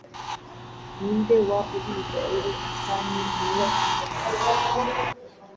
Ninde waubiza rero atani, malecontent